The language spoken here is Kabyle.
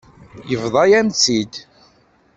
Yebḍa-yam-tt-id.